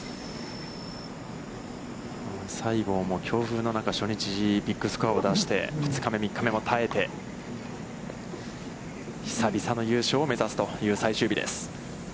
西郷も強風の中、初日、ビッグスコアを出して、２日目、３日目も耐えて久々の優勝を目指すという最終日です。